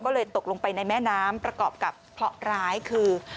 ก็เลยตกลงไปในแม่น้ำประกอบกับเคราะห์ร้ายคือ